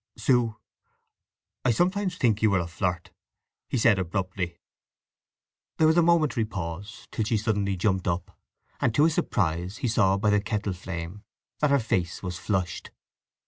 "Sue, I sometimes think you are a flirt," said he abruptly. There was a momentary pause, till she suddenly jumped up; and to his surprise he saw by the kettle flame that her face was flushed.